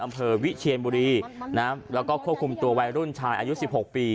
อำเภอวิเชียนบุรีนะแล้วก็ควบคุมตัววัยรุ่นชายอายุสิบหกปี